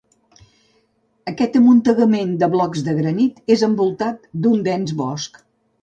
Aquest amuntegament de blocs de granit és envoltat d'un dens bosc.